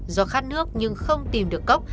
do khát nước nhưng không tìm được cốc